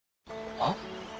あっ！